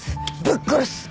ぶっ殺す。